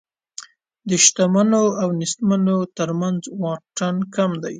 د شتمنو او نېستمنو تر منځ واټن کم دی.